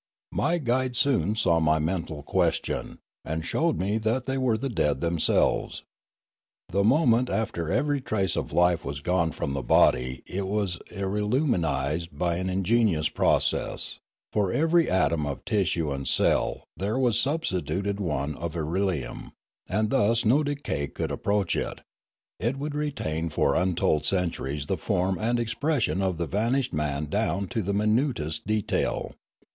My guide soon saw my mental question, and showed me that they were the dead themselves. The moment after every trace of life had gone from the body it was Fialume 67 ireliumised by an ingenious process; for every atom of tissue and cell there was substituted one of irelium, and thus no decay could approach it; it would retain for untold centuries the form and expression of the vanished man down to the minutest detail.